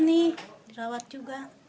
ini dirawat juga